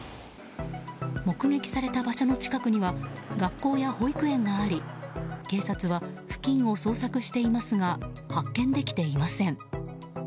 目撃された場所の近くには学校や保育園があり警察は付近を捜索していますが発見できていません。